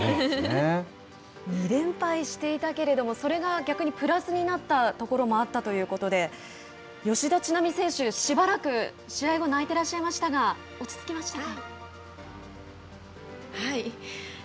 ２連敗していたけれどもそれが逆にプラスになったところもあったということで吉田知那美選手しばらく、試合後泣いていらっしゃいましたが落ち着きましたか。